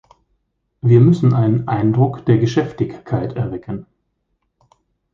Wir müssen einen Eindruck der Geschäftigkeit erwecken.